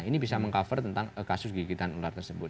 ini bisa meng cover tentang kasus gigitan ular tersebut